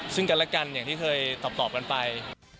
ซึ่งกันและกันอย่างที่เคยตอบกันไป